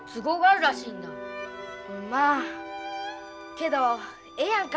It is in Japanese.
けどええやんか。